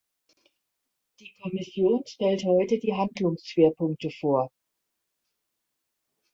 Die Kommission stellt heute die Handlungsschwerpunkte vor.